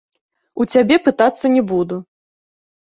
У цябе пытацца не буду!